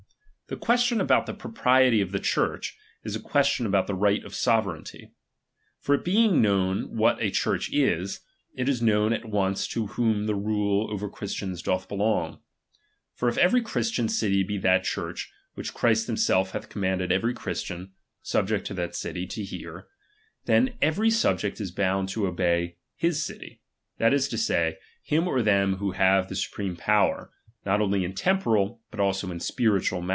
The question about the propriety of the Church, is a question about the right of sovereignty. For it being known what a Church is, it is known at once to whom the rule over Christains doth belong. For if every Christian city he that Church, which Christ himself hath com manded every Christian, subject to that city, to : hear ; then every subject is bound to obey his citj RELIGION. 317 that is to say, him or them who have the supreme chap.x power, not only in temporal, but also in spiritual